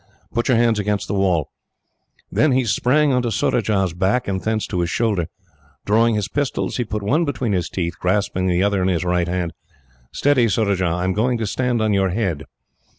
Put your hands against the wall." Then he sprang on to Surajah's back, and thence to his shoulder. Drawing his pistols, he put one between his teeth, grasping the other in his right hand. "Steady, Surajah," he said. "I am going to stand on your head."